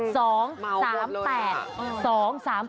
จริง